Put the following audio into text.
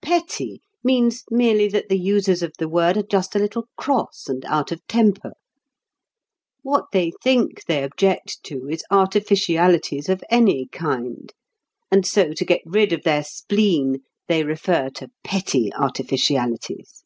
"Petty" means merely that the users of the word are just a little cross and out of temper. What they think they object to is artificialities of any kind, and so to get rid of their spleen they refer to "petty" artificialities.